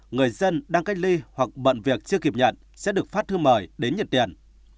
người dân đang cách ly hoặc bận việc chưa kịp nhận sẽ được phát thư mời đến nhận tiền